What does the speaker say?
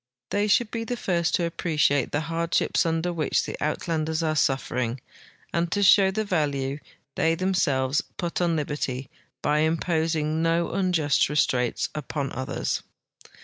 They should be the first to appreciate the hardships under which the Uit landers are suffering, and to show the value they themselves put on liberty by imposing no unjust restraints upon others.